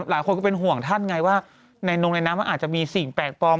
หลายคนก็เป็นห่วงท่านไงว่าในนงในน้ำมันอาจจะมีสิ่งแปลกปลอม